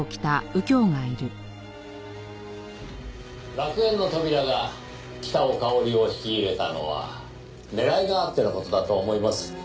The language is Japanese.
楽園の扉が北尾佳織を引き入れたのは狙いがあっての事だと思います。